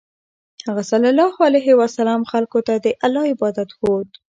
هغه ﷺ خلکو ته د الله عبادت ښوود.